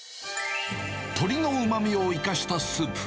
鶏のうまみを生かしたスープ。